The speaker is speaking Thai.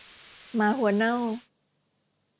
หมาหัวเน่า